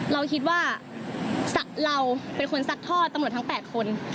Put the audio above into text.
เราคิดว่าเราเป็นคนซัดทอดตำรวจทั้ง๘คน